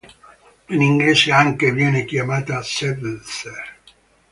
In inglese anche viene chiamata "seltzer".